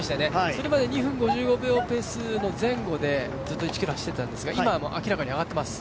それまで２分５５秒ペース前後でずっと１ｋｍ走ってたんですが今は明らかに上がってます。